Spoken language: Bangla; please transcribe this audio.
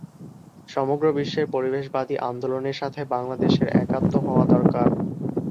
সমগ্র বিশ্বের পরিবেশবাদী আন্দোলনের সাথে বাংলাদেশের একাত্ম হওয়া দরকার।